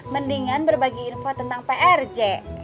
mendingan berbagi info tentang prj